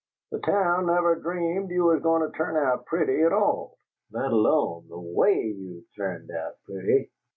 "The town never dreamed you were goin' to turn out pretty at all, let alone the WAY you've turned out pretty!